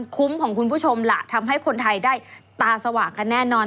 คุ้มของคุณผู้ชมล่ะทำให้คนไทยได้ตาสว่างกันแน่นอน